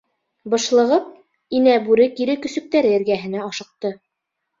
Бышлығып, Инә Бүре кире көсөктәре эргәһенә ашыҡты.